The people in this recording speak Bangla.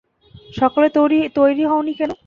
সকালে তৈরি হওনি কেন?